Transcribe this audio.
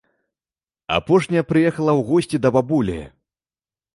Апошняя прыехала ў госці да бабулі.